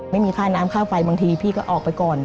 ไม่มีค่าน้ำค่าไฟบางทีพี่ก็ออกไปก่อน